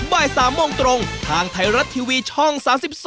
บ่าย๓โมงตรงทางไทยรัฐทีวีช่อง๓๒